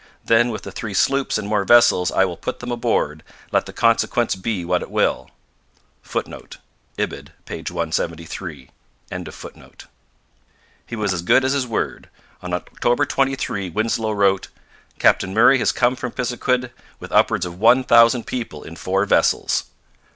Then with the three sloops and more vessels I will put them aboard, let the consequence be what it will.' [Footnote: Ibid., p. 173.] He was as good as his word. On October 23 Winslow wrote: 'Captain Murray has come from Pisiquid with upwards of one thousand people in four vessels.'